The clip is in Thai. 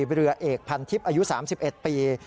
เรือเอกพันทิพย์อายุ๓๑ปี